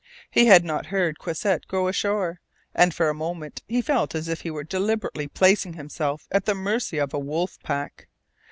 He had not heard Croisset go ashore, and for a moment he felt as if he were deliberately placing himself at the mercy of a wolf pack.